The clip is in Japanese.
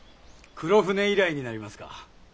黒船以来になりますか。